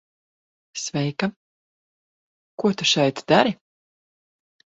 Sveika. Ko tu šeit dari?